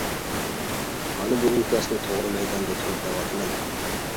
مانا بۇ ئىنكاسنى توغرا مەيداندا تۇرۇپ دەۋاتىمەن.